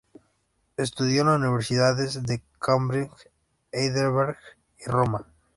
Estudió en las universidades de Cambridge, Heidelberg y Roma.